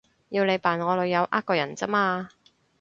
要你扮我女友呃個人咋嘛